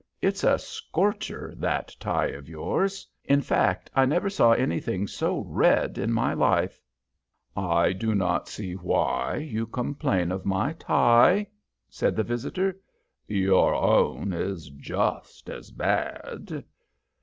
It's a scorcher, that tie of yours. In fact, I never saw anything so red in my life." "I do not see why you complain of my tie," said the visitor. "Your own is just as bad."